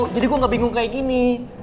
jadi gue gak bingung kayak gini